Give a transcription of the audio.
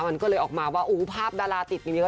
มันก็เลยออกมาว่าภาพดาราติดกันเยอะ